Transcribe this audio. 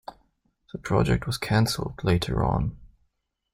The project was cancelled later on.